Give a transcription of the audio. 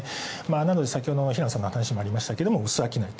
なので、先ほどの平野さんの話にもありましたが、薄商いと。